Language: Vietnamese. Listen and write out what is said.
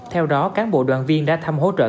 theo đó cán bộ đoàn viên đã thăm hỗ trợ